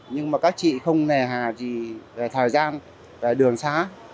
nhưng mà các chị không nề hà gì về thời gian về đường xá